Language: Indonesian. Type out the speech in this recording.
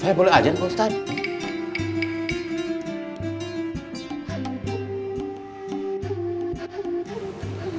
saya boleh ajan pak ustadz